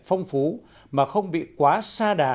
phong phú mà không bị quá xa đà